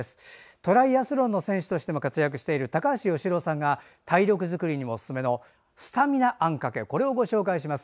トライアスロンの選手としても活躍している高橋善郎さんが体力づくりにもおすすめのスタミナあんかけをご紹介します。